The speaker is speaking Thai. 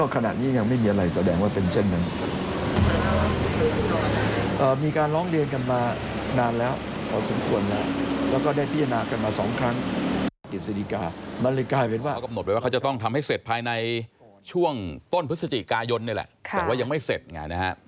เขาก็กำหนดไปว่าเขาจะต้องทำให้เสร็จภายในช่วงต้นพฤศจิกายนเนี่ยแหละแต่ว่ายังไม่เสร็จ